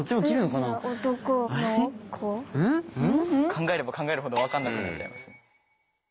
考えれば考えるほど分かんなくなっちゃいますね。